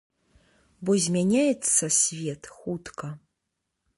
Бо змяняецца свет хутка.